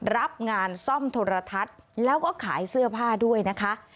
รับงานซ่อมโทรทัศน์แล้วก็ขายเสื้อผ้าด้วยนะคะ